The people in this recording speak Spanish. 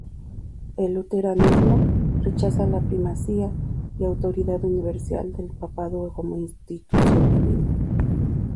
El luteranismo rechaza la primacía y autoridad universal del papado como institución divina.